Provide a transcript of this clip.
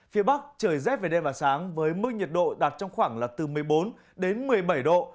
phía bắc trời rét về đêm và sáng với mức nhiệt độ đạt trong khoảng là từ một mươi bốn đến một mươi bảy độ